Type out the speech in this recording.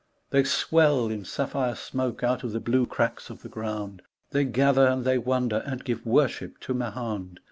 CHESTERTON They swell in sapphire smoke out of the blue cracks of the ground, They gather and they wonder and give worship to Mahound.